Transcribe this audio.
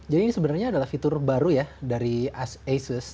jadi ini sebenarnya adalah fitur baru dari asus